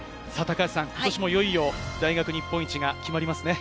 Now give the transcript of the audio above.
今年も、いよいよ大学日本一が決まりますね。